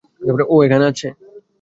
ও এখানে আছে?